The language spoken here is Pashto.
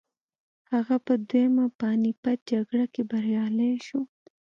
هغه په دویمه پاني پت جګړه کې بریالی شو.